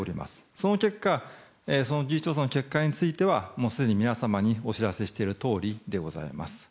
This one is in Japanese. その結果、その事実調査の結果については、もうすでに皆様にお知らせしているとおりでございます。